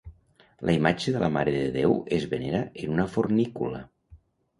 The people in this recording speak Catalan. La imatge de la mare de Déu es venera en una fornícula.